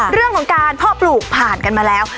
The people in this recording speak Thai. เรื่องของการพ่อปลูกผ่านกันมาแล้ว